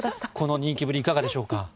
この人気ぶりいかがでしょうか？